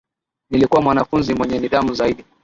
Nilikuwa mwanafunzi mwenye nidhamu zaidi